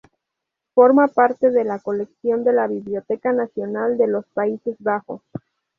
Forma parte de la colección de la Biblioteca nacional de los Países Bajos.